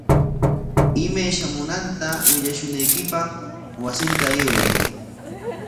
Imay shamunanta willashunaykipaq wasinta ayway.